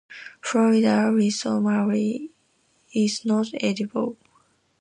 Florida-rosemary is not edible.